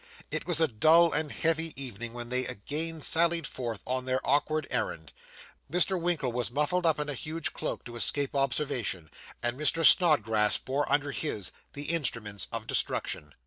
It was a dull and heavy evening when they again sallied forth on their awkward errand. Mr. Winkle was muffled up in a huge cloak to escape observation, and Mr. Snodgrass bore under his the instruments of destruction.